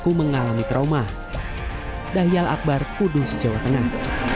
kepada kota kudus jawa tengah